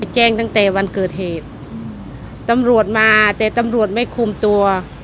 แจ้งตั้งแต่วันเกิดเหตุตำรวจมาแต่ตำรวจไม่คุมตัว